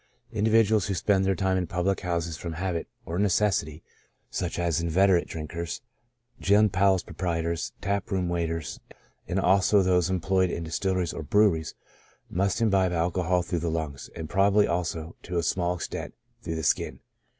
Individuals who spend their time in public houses from habit or necessity, such as inveterate drinkers, gin palace proprietors, tap room waiters, and also those employed in distilleries or breweries, must imbibe alcohol through the lungs, and probably also, to a small extent, through the skin.